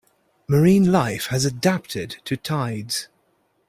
Marine life has adapted to tides.